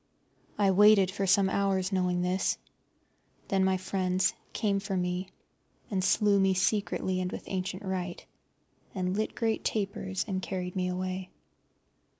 I waited for some hours, knowing this. Then my friends came for me, and slew me secretly and with ancient rite, and lit great tapers, and carried me away.